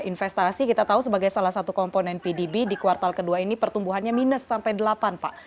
investasi kita tahu sebagai salah satu komponen pdb di kuartal kedua ini pertumbuhannya minus sampai delapan pak